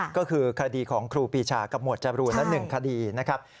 ก็คือคดีของครูปีชากับหมวดจารูนะครับ